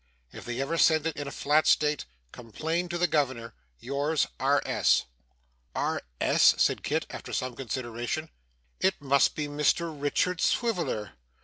If they ever send it in a flat state, complain to the Governor. Yours, R. S.' 'R. S.!' said Kit, after some consideration. 'It must be Mr Richard Swiveller.